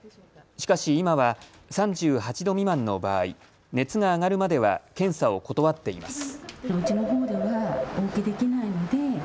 しかし今は３８度未満の場合、熱が上がるまでは検査を断っています。